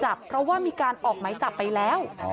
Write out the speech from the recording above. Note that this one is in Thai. หมายจับเพราะว่ามีการออกหมายจับไปแล้ว